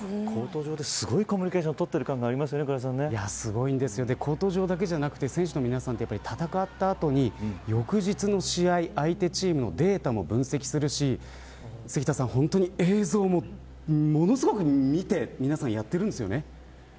コート上で、すごいコミュニケーションを取っているコート上だけじゃなくて選手の皆さん、戦った後に翌日の試合相手チームのデータも分析するし映像も、ものすごく見て皆さんやってるんですよね。